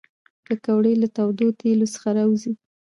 پکورې له تودو تیلو څخه راوزي